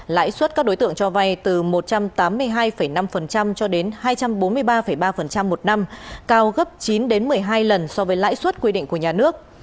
lãi suất các đối tượng cho vay từ một trăm tám mươi hai năm cho đến hai trăm bốn mươi ba ba một năm cao gấp chín đến một mươi hai lần so với lãi suất quy định của nhà nước